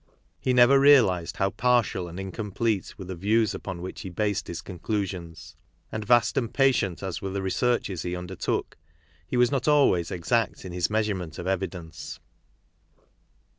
He never realized how partial and incomplete were the views upon which he based his conclusions ; and vast and patient as were the researches he undertook, he was not always exact in his measurement of evidence.